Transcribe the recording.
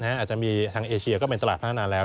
อาจจะมีทางเอเชียก็เป็นตลาดพัฒนาแล้ว